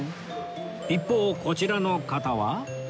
一方こちらの方は